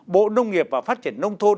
bộ nông nghiệp và phát triển nông thôn